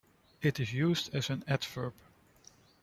It is used as an adverb.